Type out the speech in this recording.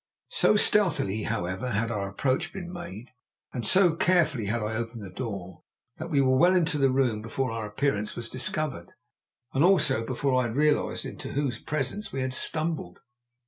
So stealthily, however, had our approach been made, and so carefully had I opened the door, that we were well into the room before our appearance was discovered, and also before I had realized into whose presence we had stumbled.